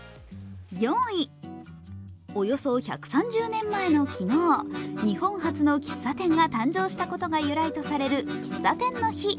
およそ１３０年前の昨日、日本初の喫茶店が誕生したことが由来とされる喫茶店の日。